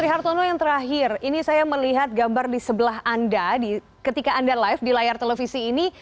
pak hartono yang terakhir ini saya melihat gambar di sebelah anda ketika anda live di layar televisi ini